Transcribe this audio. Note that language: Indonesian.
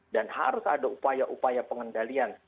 dan harus ada upaya upaya pengendalian